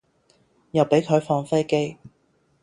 又俾佢放飛機